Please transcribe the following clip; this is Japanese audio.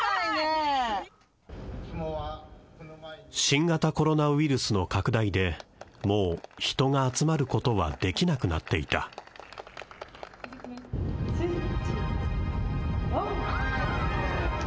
新型コロナウイルスの拡大でもう人が集まることはできなくなっていたスイッチオン